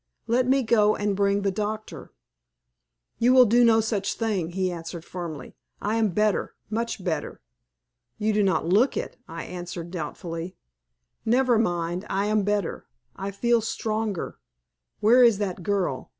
Let me go and bring the doctor?" "You will do no such thing," he answered, firmly. "I am better much better." "You do not look it," I answered, doubtfully. "Never mind, I am better, I feel stronger. Where is that girl?